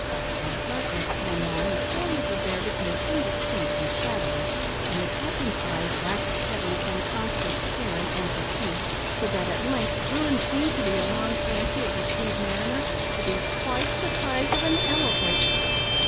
As darkness came on, the form of the bear became indistinct and shadowy; and the captain's eyes waxed heavy, from constant staring and fatigue, so that at length bruin seemed, to the alarmed fancy of the tree'd mariner, to be twice the size of an elephant.